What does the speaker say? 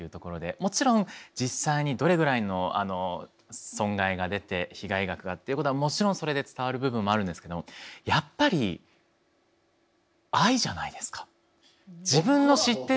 もちろん実際にどれぐらいの損害が出て被害額がっていうことはもちろんそれで伝わる部分もあるんですけども自分の知ってる方